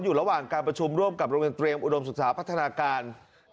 อยู่ระหว่างการประชุมร่วมกับโรงเรียนเตรียมอุดมศึกษาพัฒนาการ